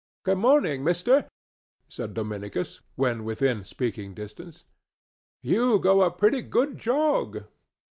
"Good morning, mister," said Dominicus, when within speaking distance. "You go a pretty good jog.